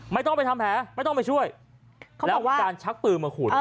ไม่ต้องไปทำแผลไม่ต้องไปช่วยแล้วการชักปืนมาขุด